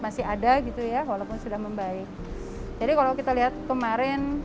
masih ada gitu ya walaupun sudah membaik jadi kalau kita lihat kemarin ya posisi di minus tiga delapan